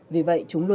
vì vậy chúng luôn